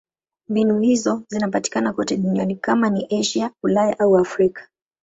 Mbinu hizo zinapatikana kote duniani: kama ni Asia, Ulaya au Afrika.